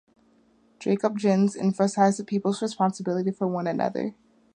Jacob Gens emphasized the people's responsibility for one another.